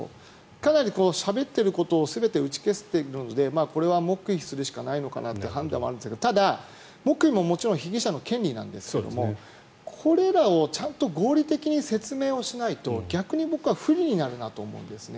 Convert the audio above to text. かなり、しゃべっていることを全て打ち消しているのでこれは黙秘するしかないのかなって判断はあるんですがただ、黙秘ももちろん被疑者の権利なんですがこれらをちゃんと合理的に説明しないと逆に僕は不利になるなと思うんですね。